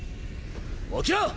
起きろ！